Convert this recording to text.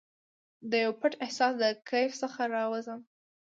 دیو پټ احساس د کیف څخه راوزم